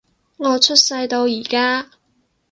我出世到而家